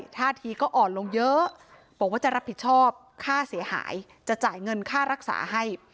ท่าทีก็อ่อนลงเยอะบอกว่าจะรับผิดชอบค่าเสียหายจะจ่ายเงินค่ารักษาให้